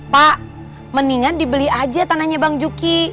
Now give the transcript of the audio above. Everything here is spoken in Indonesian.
pak mendingan dibeli aja tanahnya bang juki